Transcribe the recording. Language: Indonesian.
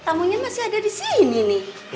tamunya masih ada di sini nih